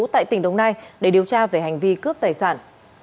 tại tỉnh đồng nai để điều tra về hành vi cướp tài sản